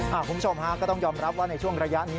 คุณผู้ชมฮะก็ต้องยอมรับว่าในช่วงระยะนี้